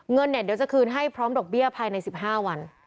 เงินเนี่ยเดี๋ยวจะคืนให้พร้อมดอกเบี้ยภายใน๑๕วัน